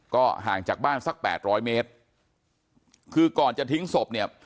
ก็ห่างจากบ้านสักแปดร้อยเมตรคือก่อนจะทิ้งศพเนี่ย